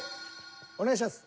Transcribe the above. お願いします。